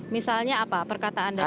misalnya apa perkataan dan amal